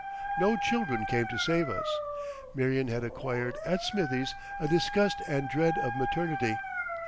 No children came to save us. Marion had acquired at Smithie's a disgust and dread of maternity.